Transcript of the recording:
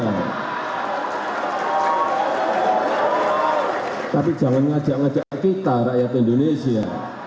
tapi jangan ngajak ngajak kita rakyat indonesia